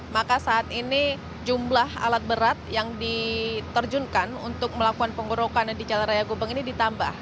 maka saat ini jumlah alat berat yang diterjunkan untuk melakukan penggorokan di jalan raya gubeng ini ditambah